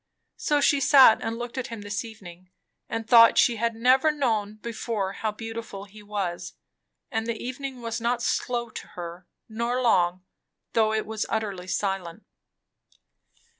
So she sat and looked at him this evening, and thought she had never known before how beautiful he was; and the evening was not slow to her, nor long, though it was utterly silent.